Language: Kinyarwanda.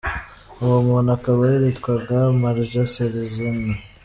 Uwo muntu akaba yaritwaga Marja Sergina.